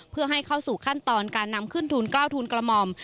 เพื่อให้เข้าสู่ขั้นตอนการนำขึ้นทุนเก้าทุนกรมอม